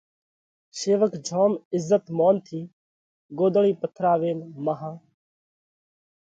شيوَڪ جوم عزت مونَ ٿِي ڳوۮڙي پٿراوينَ مانه